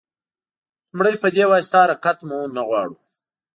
لومړی په دې واسطه حرکت مو نه غواړو.